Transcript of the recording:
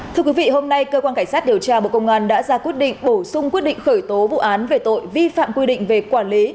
thưa quý vị hôm nay cơ quan cảnh sát điều tra bộ công an đã ra quyết định bổ sung quyết định khởi tố vụ án về tội vi phạm quy định về quản lý